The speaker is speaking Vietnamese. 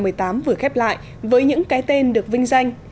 oscar hai nghìn một mươi tám vừa khép lại với những cái tên được vinh danh